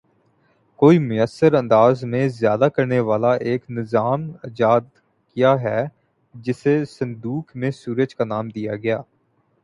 کو مؤثر انداز میں ذیادہ کرنے والا ایک نظام ایجاد کیا ہے جسے صندوق میں سورج کا نام دیا گیا ہے